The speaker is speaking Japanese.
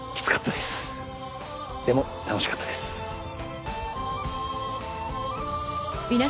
でも楽しかったです。